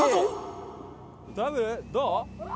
どう？